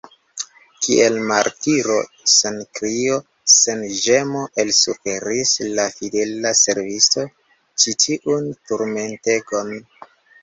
Kiel martiro, sen krio, sen ĝemo elsuferis la fidela servisto ĉi tiun turmentegon.